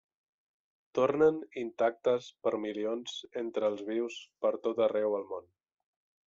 Tornen, intactes, per milions, entre els vius, per tot arreu al món.